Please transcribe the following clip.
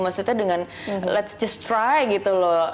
maksudnya dengan let's just try gitu loh